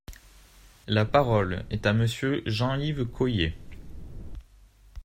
La parole est à Monsieur Jean-Yves Caullet.